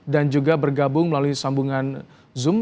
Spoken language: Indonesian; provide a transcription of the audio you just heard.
dan juga bergabung melalui sambungan zoom